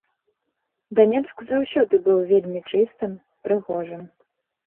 Данецк заўсёды быў вельмі чыстым, прыгожым.